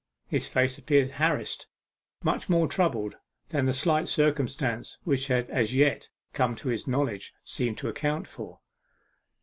His face appeared harassed much more troubled than the slight circumstance which had as yet come to his knowledge seemed to account for.